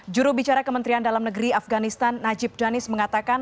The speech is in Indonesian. juru bicara kementerian dalam negeri afganistan najib janis mengatakan